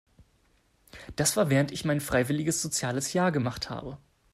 Das war während ich mein freiwilliges soziales Jahr gemacht habe.